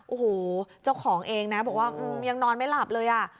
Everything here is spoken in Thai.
โอ้โหเจ้าของเองนะบอกว่ายังนอนไม่หลับเลยอ่ะ